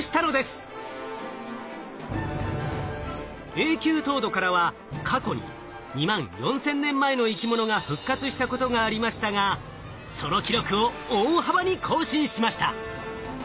永久凍土からは過去に２万４千年前の生き物が復活したことがありましたがその記録を大幅に更新しました。